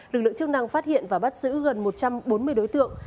lực lượng chức năng phát hiện và bắt giữ gần một trăm bốn mươi đối tượng